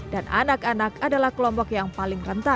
dan anak anak adalah kelompok yang paling rentan